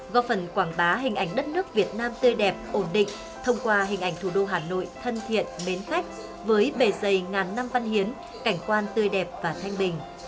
góp phần quảng bá hình ảnh đất nước việt nam tươi đẹp ổn định thông qua hình ảnh thủ đô hà nội thân thiện mến khách với bề dày ngàn năm văn hiến cảnh quan tươi đẹp và thanh bình